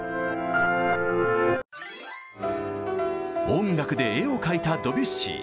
音楽で絵を描いたドビュッシー。